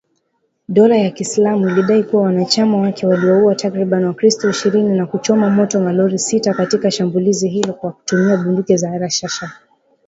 Dola ya Kiislamu ilidai kuwa wanachama wake waliwauwa takribani wakristo ishirini na kuchoma moto malori sita katika shambulizi hilo kwa kutumia bunduki za rashasha